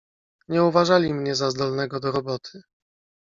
"Nie uważali mnie za zdolnego do roboty."